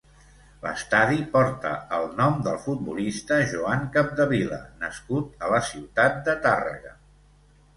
L'estadi porta el nom del futbolista Joan Capdevila nascut a la ciutat de Tàrrega.